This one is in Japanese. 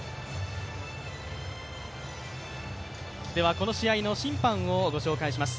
この試合の審判をご紹介します。